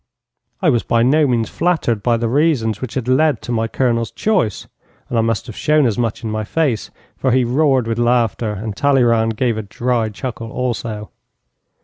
I was by no means flattered by the reasons which had led to my Colonel's choice, and I must have shown as much in my face, for he roared with laughter and Talleyrand gave a dry chuckle also.